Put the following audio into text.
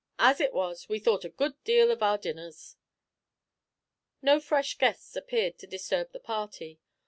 As it was, we thought a good deal of our dinners." No fresh guests appeared to disturb the party.